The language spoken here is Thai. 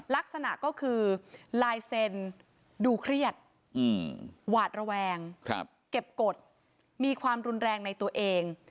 ลักษณะก็คือลายเซ็นดูเครียดหวาดระแวงเก็บกฎมีความรุนแรงในตัวเอง